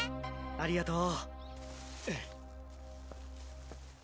ありがとう。